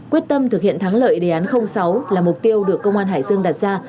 quyết tâm thực hiện thắng lợi đề án sáu là mục tiêu được công an hải dương đặt ra